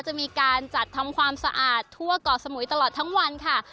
จะมีการจัดทำความสะอาดทั่วเกาะสมุยตลอดทั้งวันค่ะ